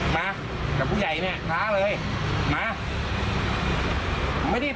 มากับผู้ใหญ่เนี่ยท้าเลยมา